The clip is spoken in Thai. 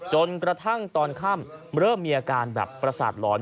จนกระทั่งตอนค่ำเริ่มมีอาการแบบประสาทหลอน